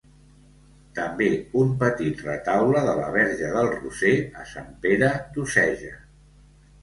També un petit retaule de la verge del Roser a Sant Pere d'Oceja.